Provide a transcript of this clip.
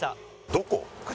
どこ？